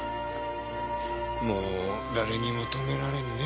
もう誰にも止められんね。